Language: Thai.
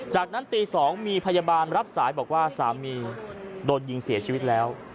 จากนั้นตี๒มีพยาบาลรับสายบอกว่าสามีโดนยิงเสียชีวิตแล้ว